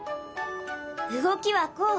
動きはこう。